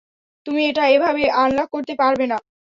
তুমি এটা এভাবে আনলক করতে পারবে না।